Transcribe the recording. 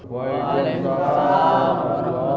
waalaikumsalam warahmatullahi wabarakatuh